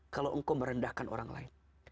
kalau engkau merendahkan orang lain